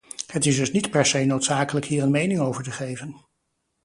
Het is dus niet per se noodzakelijk hier een mening over te geven.